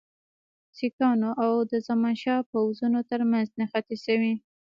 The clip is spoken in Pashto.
سیکهانو او د زمانشاه پوځونو ترمنځ نښتې سوي.